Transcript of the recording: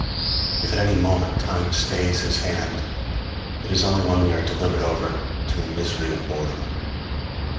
If at any moment Time stays his hand, it is only when we are delivered over to the misery of boredom.